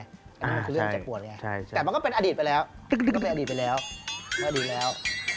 อันนี้มันคือเรื่องเจ็บปวดไงแต่มันก็เป็นอดีตไปแล้วก็เป็นอดีตไปแล้วอดีตแล้ว